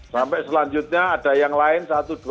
sampai selanjutnya ada yang lain satu dua